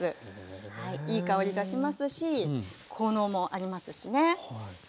いい香りがしますし効能もありますしね。